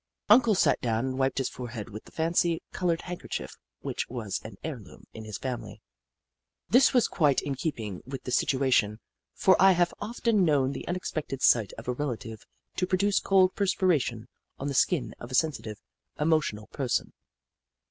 Uncle sat down and wiped his forehead with the fancy, coloured handkerchief which was an heirloom in his family. This was quite in keeping with the situation, for I have often known the unexpected sight of a relative to produce cold perspiration on the skin of a sensitive, emotional person.